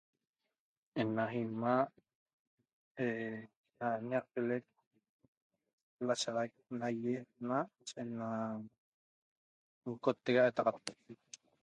Ena imaa' na ñaqpioleq lashaxaq naie naa' ena junconttexa ena etaxat